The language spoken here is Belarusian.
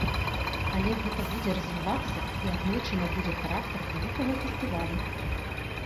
Але гэта будзе развівацца, і аднойчы набудзе характар вялікага фестывалю.